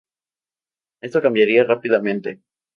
Esto cambiaría rápidamente.